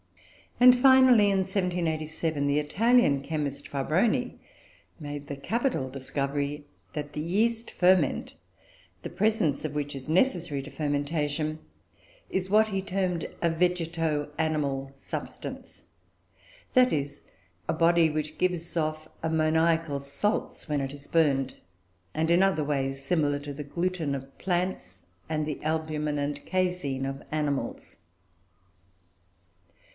And finally, in 1787, the Italian chemist, Fabroni, made the capital discovery that the yeast ferment, the presence of which is necessary to fermentation, is what he termed a "vegeto animal" substance; that is, a body which gives of ammoniacal salts when it is burned, and is, in other ways, similar to the gluten of plants and the albumen and casein of animals.